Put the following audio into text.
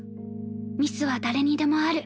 ミスは誰にでもある。